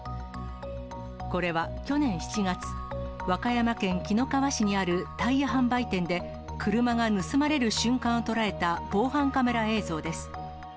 これは去年７月、和歌山県紀の川市にあるタイヤ販売店で、車が盗まれる瞬間を捉えた防犯カメラ映像です。